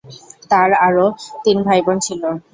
তাঁর আরও তিন ভাইবোন ছিল।